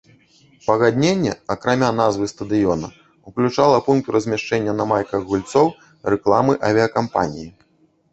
Пагадненне, акрамя назвы стадыёна, уключала пункт размяшчэнні на майках гульцоў рэкламы авіякампаніі.